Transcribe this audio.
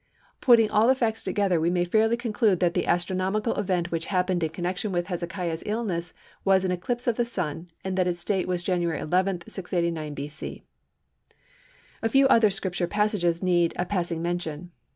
Putting all the facts together we may fairly conclude that the astronomical event which happened in connection with Hezekiah's illness was an eclipse of the Sun, and that its date was January 11, 689 B.C. A few other Scripture passages need a passing mention.